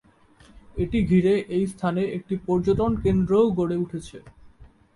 এটি ঘিরে এই স্থানে একটি পর্যটন কেন্দ্রও গড়ে উঠেছে।